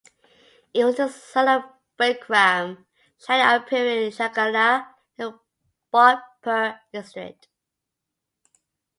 He was the son of Bikram Shahi of Piru pargana in Bhojpur district.